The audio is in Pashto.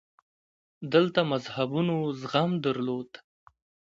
دلته مذهبونو زغم درلود